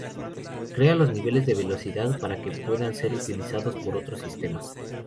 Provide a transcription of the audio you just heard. Crea los niveles de velocidad para que puedan ser utilizados por otros sistemas.